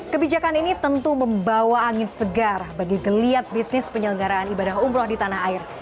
kebijakan ini tentu membawa angin segar bagi geliat bisnis penyelenggaraan ibadah umroh di tanah air